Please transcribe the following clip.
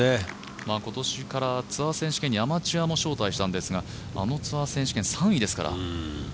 今年からツアー選手権にアマチュアも招待したんですが、あのツアー選手権３位ですから。